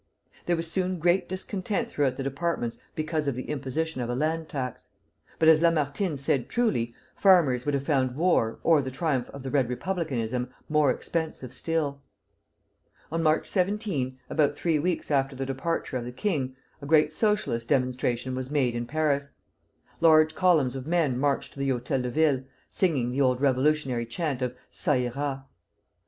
There was soon great discontent throughout the departments because of the imposition of a land tax; but as Lamartine said truly, farmers would have found war or the triumph of Red Republicanism more expensive still. On March 17, about three weeks after the departure of the king, a great Socialist demonstration was made in Paris. Large columns of men marched to the Hôtel de Ville, singing the old revolutionary chant of "Ça ira."